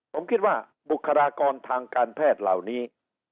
ผมคิดว่าบริษัทธิภาษาและทางการแพทย์เหล่านี้